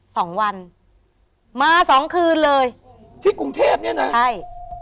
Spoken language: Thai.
สองวันมาสองคืนเลยที่กรุงเทพเนี้ยน่ะใช่